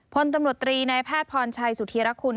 พลตำรวจตรีนายแพทย์พรชัยสุธีรคุณ